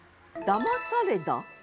「だまされだ」。